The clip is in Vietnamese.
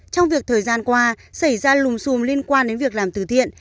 trong việc thời gian qua xảy ra lùng xùm liên quan đến việc làm từ thiện